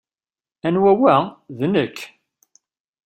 Anwa wa?" "D nekk.